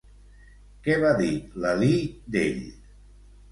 Què va dir Lalí d'ell?